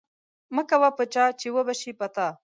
مه کوه په چا، چی وبه شي په تا